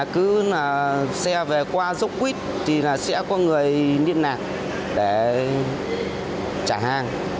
cứ xe về qua dốc quýt thì sẽ có người liên lạc để trả hàng